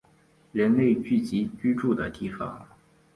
人类聚集居住的地方